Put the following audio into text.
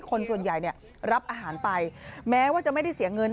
คนส่วนใหญ่เนี่ยรับอาหารไปแม้ว่าจะไม่ได้เสียเงิน